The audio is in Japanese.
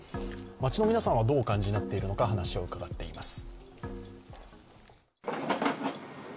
街の皆さんは、どうお感じになっているのか話を伺っています。